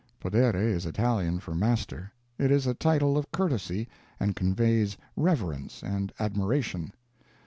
_" (Podere is Italian for master. It is a title of courtesy, and conveys reverence and admiration.)